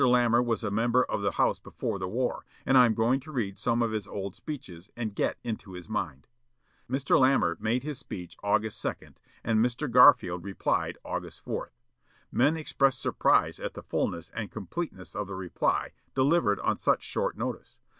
Lamar was a member of the House before the war; and I am going to read some of his old speeches, and get into his mind.' Mr. Lamar made his speech August 2, and Mr. Garfield replied August 4. Men expressed surprise at the fulness and completeness of the reply, delivered on such short notice.